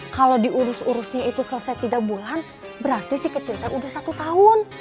kalau diurus urusnya itu selesai tiga bulan berarti sih kecinta udah satu tahun